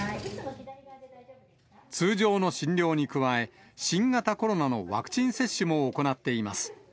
通常の診療に加え、新型コロナのワクチン接種も行っています。